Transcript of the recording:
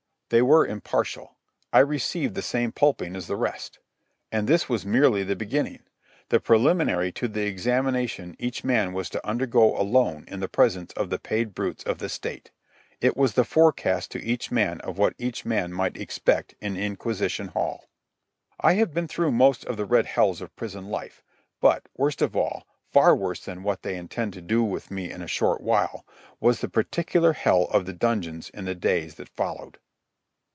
They were impartial. I received the same pulping as the rest. And this was merely the beginning, the preliminary to the examination each man was to undergo alone in the presence of the paid brutes of the state. It was the forecast to each man of what each man might expect in inquisition hall. I have been through most of the red hells of prison life, but, worst of all, far worse than what they intend to do with me in a short while, was the particular hell of the dungeons in the days that followed.